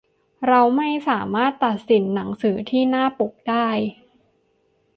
เราไม่สามารถตัดสินหนังสือที่หน้าปกได้